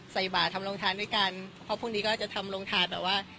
ใส่บาททำโรงทานด้วยกันเพราะพรุ่งนี้ก็จะทำโรงทานแบบว่า